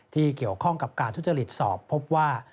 ที่เกี่ยวข้องกับการทุจริตสอบพบว่า